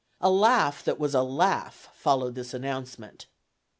A laugh that was a laugh followed this announcement.